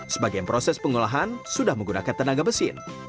sebagai proses pengolahan sudah menggunakan tenaga mesin